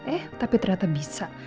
eh tapi ternyata bisa